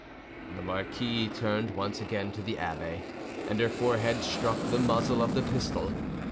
The marquise turned once again to the abbe, and her forehead struck the muzzle of the pistol.